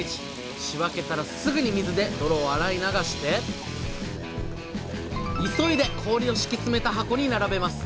仕分けたらすぐに水で泥を洗い流して急いで氷を敷き詰めた箱に並べます。